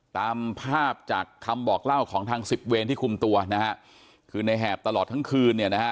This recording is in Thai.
ตามภาพจากคำบอกเล่าของทางสิบเวรที่คุมตัวนะฮะคือในแหบตลอดทั้งคืนเนี่ยนะฮะ